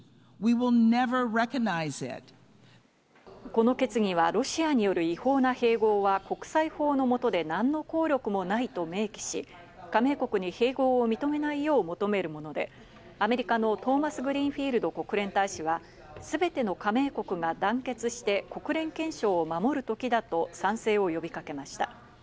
この決議は、ロシアによる違法な併合は国際法の下で何の効力もないと明記し、加盟国に併合を認めないよう求めるもので、アメリカのトーマスグリーンフィールド国連大使は、すべての加盟国が団結して国連憲章を守るときだと賛成を呼びかけました。